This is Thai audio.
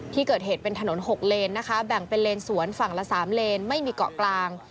ที่เกิดเหตุเป็นถนน๖เลนนะคะแบ่งเป็นเลนสวนฝั่งละ๓เลนไม่มีเกาะกลาง